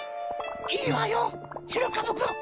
いいわよしろかぶくん！